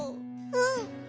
うん。